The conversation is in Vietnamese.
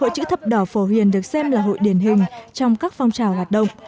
hội chữ thập đỏ phổ hiền là một trong những cơ sở hội điển hình trong các phong trào hoạt động